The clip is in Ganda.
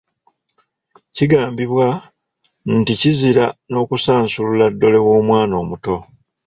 Kigambibwa nti kizira n'okusansulula ddole w'omwana omuto.